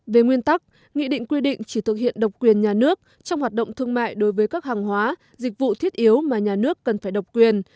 về nguyên tắc nghị định quy định chỉ thực hiện độc quyền nhà nước trong hoạt động thương mại đối với các hàng hóa dịch vụ thiết yếu mà nhà nước cần phải độc quyền